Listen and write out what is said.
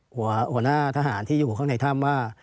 หัวหน้าทหารที่อยู่ข้างในถ้ำว่า